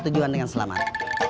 kejuan dengan selamat